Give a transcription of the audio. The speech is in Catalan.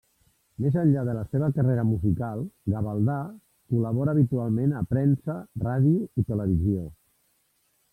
Més enllà de la seva carrera musical, Gavaldà col·labora habitualment a premsa, ràdio i televisió.